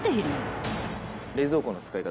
えっ？冷蔵庫の使い方？